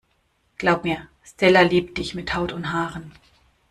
Glaub mir, Stella liebt dich mit Haut und Haaren.